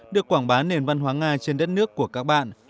được quảng bá nền văn hóa nga trên đất nước của các bạn